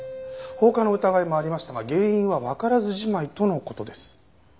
放火の疑いもありましたが原因はわからずじまいとの事です。